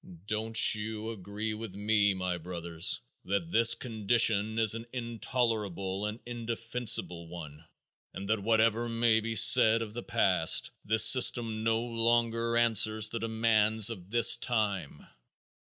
Don't you agree with me, my brothers, that this condition is an intolerable and indefensible one, and that whatever may be said of the past, this system no longer answers the demands of this time?